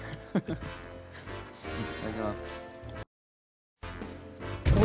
いただきます。